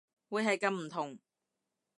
會係咁唔同